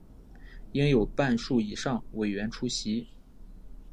应有半数以上委员出席